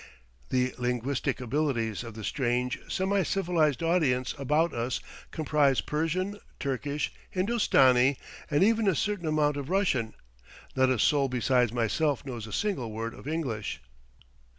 The linguistic abilities of the strange, semi civilized audience about us comprise Persian, Turkish, Hindostani, and even a certain amount of Russian; not a soul besides myself knows a single word of English.